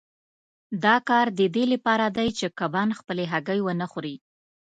دا کار د دې لپاره دی چې کبان خپلې هګۍ ونه خوري.